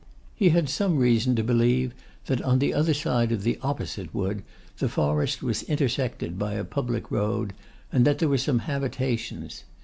He had some reason to believe that on the other side of the opposite wood the forest was intersected by a public road, and that there were some habitations.